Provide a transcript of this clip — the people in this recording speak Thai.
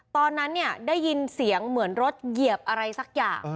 ตอนนั้นเนี่ยได้ยินเสียงเหมือนรถเหยียบอะไรสักอย่าง